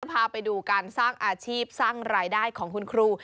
พาไปดูการสร้างอาชีพสร้างรายได้ของคุณครู